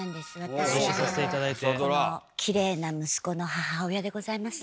私このきれいな息子の母親でございます。